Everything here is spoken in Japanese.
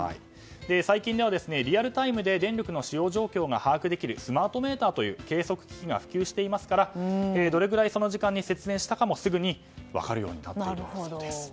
最近ではリアルタイムで電力の使用状況が把握できるスマートメーターという計測機器が普及していますからどれぐらいその時間に節電したかもすぐに分かるようになっているそうです。